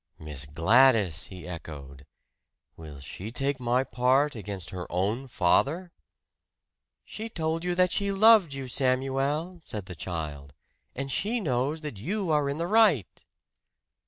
"Miss Gladys!" he echoed. "Will she take my part against her own father?" "She told you that she loved you, Samuel," said the child. "And she knows that you are in the right."